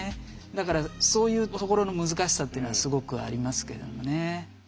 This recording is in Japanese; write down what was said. だからそういうところの難しさっていうのはすごくありますけれどもね。